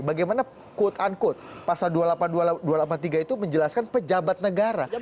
bagaimana quote unquote pasal dua puluh delapan ribu dua ratus delapan puluh tiga itu menjelaskan pejabat negara